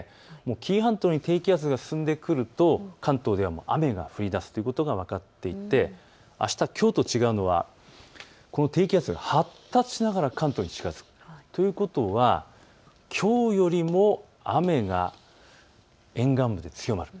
紀伊半島に低気圧が進んでくると関東では雨が降りだすということが分かっていて、あした、きょうと違うのはこの低気圧が発達しながら関東に近づくということはきょうよりも雨が沿岸部で強まる。